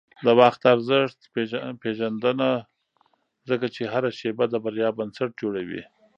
د وخت ارزښت پېژنه، ځکه چې هره شېبه د بریا بنسټ جوړوي.